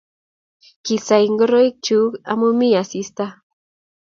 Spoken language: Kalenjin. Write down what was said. Kisai ingoroik chuk amu mi asista.